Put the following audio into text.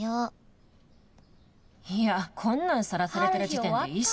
「いや、こんなんさらされてる時点で意識低い」。